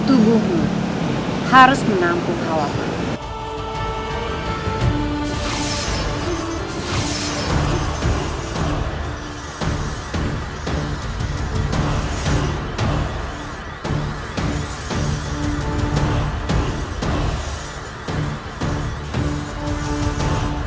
tubuhmu harus menampung hawa dingin